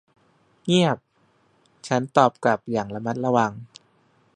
เงียบ ฉันตอบกลับอย่างระมัดระวัง